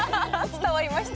伝わりました。